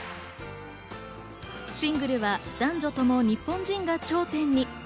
シングルは男女ともに日本人が頂点に。